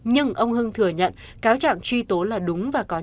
nhưng ông hưng thừa nhận cáo trạng truy tố là đúng và có nhận